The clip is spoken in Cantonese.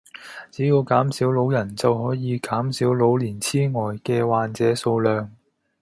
只要減少老人就可以減少老年癡呆嘅患者數量